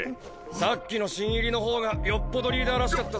さっきの新入りの方がよっぽどリーダーらしかったぜ。